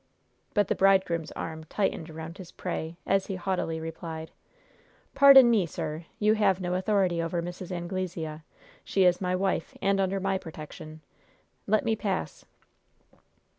But the bridegroom's arm tightened around his prey, as he haughtily replied: "Pardon me, sir! You have no authority over Mrs. Anglesea. She is my wife, and under my protection. Let me pass."